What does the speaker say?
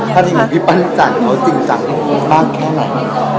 ถ้าถึงพี่ปัญญาจังเขาจริงจังมากแค่ไหน